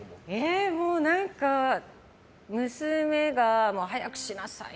何か、娘が早くしなさい！